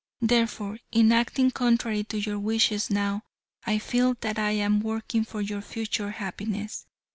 Therefore, in acting contrary to your wishes now, I feel that I am working for your future happiness.